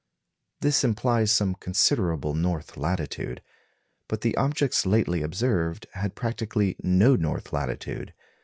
This implies some considerable north latitude. But the objects lately observed had practically no north latitude.